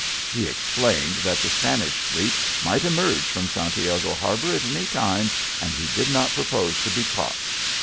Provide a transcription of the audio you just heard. He explained that the Spanish fleet might emerge from Santiago Harbour at any time, and he did not propose to be caught.